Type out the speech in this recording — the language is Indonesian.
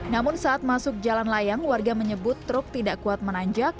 namun saat masuk jalan layang warga menyebut truk tidak kuat menanjak